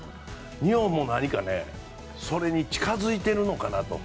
日本も何かそれに近づいてるのかなと。